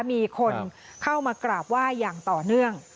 มีคนเข้ามากราบไหว้อย่างต่อเนื่อง